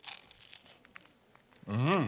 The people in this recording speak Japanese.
うん！